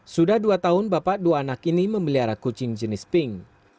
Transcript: sudah dua tahun bapak dua anak ini memelihara kucing jenis pink